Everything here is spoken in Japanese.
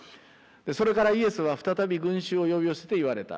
それからイエスは再び群衆を呼び寄せて言われた。